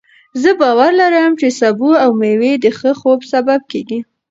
زه باور لرم چې سبو او مېوې د ښه خوب سبب کېږي.